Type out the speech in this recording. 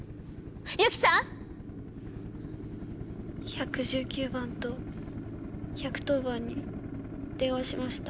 ☎１１９番と１１０番に電話しました。